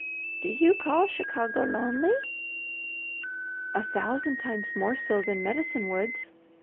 "Do you call Chicago lonely?" "A thousand times more so than Medicine Woods.